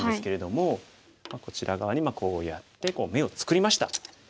こちら側にこうやって眼を作りました。